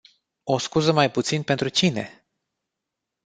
O scuză mai puțin pentru cine?